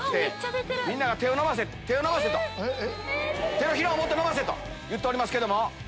手のひらをもっと伸ばせ！と言っておりますけども。